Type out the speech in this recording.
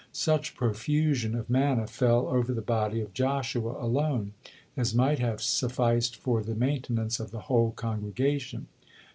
Such profusion of manna fell over the body of Joshua alone, as might have sufficed for the maintenance of the whole congregation.